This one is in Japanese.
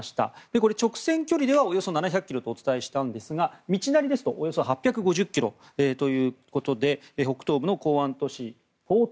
これ、直線距離ではおよそ７００ｋｍとお伝えしたんですが道なりですとおよそ８５０ｋｍということで北東部の港湾都市ポート